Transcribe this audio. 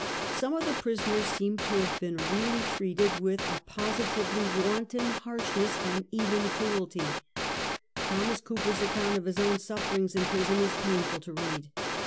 Some of the prisoners seem to have been really treated with 126 A HISTORY OF ODR OWN TIMES. CH. V. a positively wanton harshness and even cruelty. Thomas Cooper's account of his own sufferings in prison is p ainf ul to read.